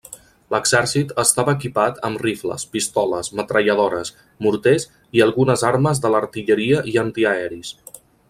L'exèrcit estava equipat amb rifles, pistoles, metralladores, morters i alguns armes de l'artilleria i antiaeris.